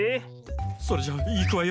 それじゃいくわよ。